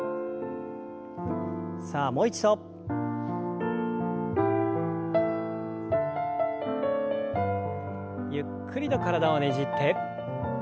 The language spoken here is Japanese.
さあもう一度。ゆっくりと体をねじって。